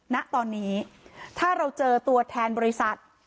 ณตอนนี้ถ้าเราเจอตัวแทนบริษัท